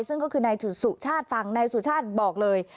ซึ่งก็คือนายสุชาติฟังนายสุชาติบอกเลย